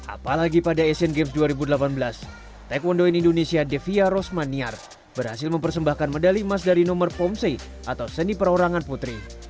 apalagi pada asian games dua ribu delapan belas taekwondo indonesia devia rosmaniar berhasil mempersembahkan medali emas dari nomor pomse atau seni perorangan putri